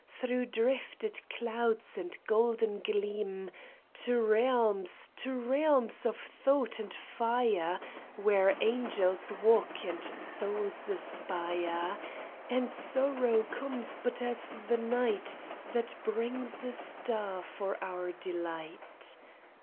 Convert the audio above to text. Through drifted cloud and golden gleam, To realms, to realms of thought and fire. Where angels walk and souls aspire. And sorrow comes but as the night That brings a star for our delight.